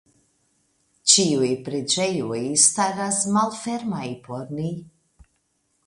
Ĉiuj preĝejoj staras malfermaj por ni.